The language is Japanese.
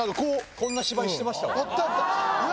こんな芝居してました。